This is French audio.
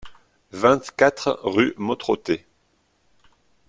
vingt-quatre rue Mautroté